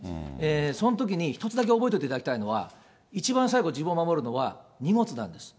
そのときに一つだけ覚えておいていただきたいのは、一番最後、自分を守るのは荷物なんです。